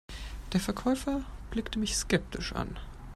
Der Verkäufer blickte mich skeptisch an.